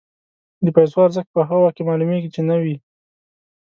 د پیسو ارزښت په هغه وخت کې معلومېږي چې نه وي.